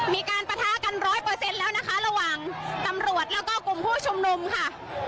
ปะทะกันร้อยเปอร์เซ็นต์แล้วนะคะระหว่างตำรวจแล้วก็กลุ่มผู้ชุมนุมค่ะ